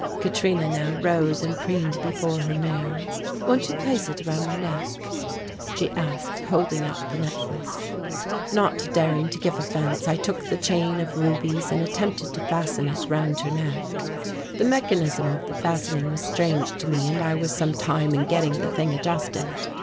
Katrina now rose and preened before her mirror. "Won't you place it round my neck?" she asked, holding out the necklace. Nor daring to give offence, I took the chain of rubies and attempted to fasten it round her neck. The mechanism of the fastening was strange to me and I was some time in getting the thing adjusted.